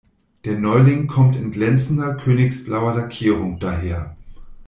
Der Neuling kommt in glänzender, königsblauer Lackierung daher.